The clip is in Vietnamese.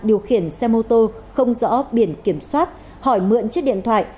điều khiển xe mô tô không rõ biển kiểm soát hỏi mượn chiếc điện thoại